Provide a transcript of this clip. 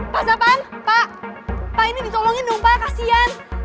pak pak pak ini ditolongin dong pak kasian